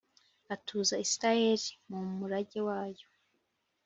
atuza Israheli mu murage wayo.